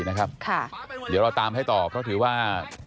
อย่าอย่าอย่าอย่าอย่าอย่าอย่าอย่าอย่าอย่า